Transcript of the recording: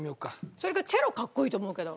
それかチェロかっこいいと思うけど。